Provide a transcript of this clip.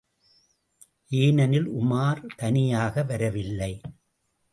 ஏனெனில், உமார் தனியாக வரவில்லை.